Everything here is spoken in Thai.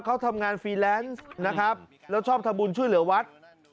เขาทำงานฟรีแลนซ์นะครับแล้วชอบทำบุญช่วยเหลือวัด